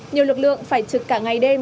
nhiều lực lượng phải trực cả ngày đêm